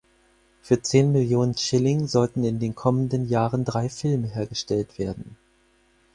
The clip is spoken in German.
Für zehn Millionen Schilling sollten in den kommenden Jahren drei Filme hergestellt werden.